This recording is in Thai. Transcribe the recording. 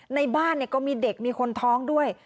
ในบ้านก็มีเด็กมีคนท้องด้วย